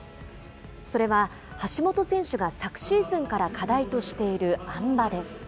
それは橋本選手が昨シーズンから課題としているあん馬です。